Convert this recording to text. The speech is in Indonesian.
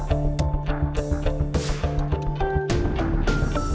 tapi sekarang lo gak ada pilihan